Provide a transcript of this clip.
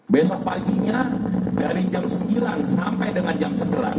besok paginya dari jam sembilan sampai dengan jam sebelas